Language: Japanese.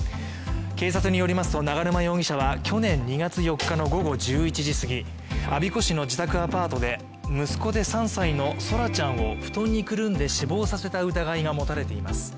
警察によりますと永沼容疑者は去年２月４日の午後１１時すぎ、我孫子市の自宅アパートで息子で３歳の奏良ちゃんを布団にくるんで死亡させた疑いが持たれています。